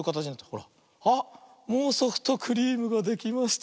もうソフトクリームができました。